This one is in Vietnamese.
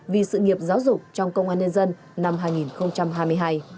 vì sự nghiệp giáo dục trong công an nhân dân năm hai nghìn hai mươi hai